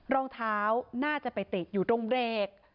รองเท้าน่าจะไปติดอยู่ตรงเบรก